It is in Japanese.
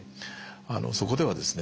そこではですね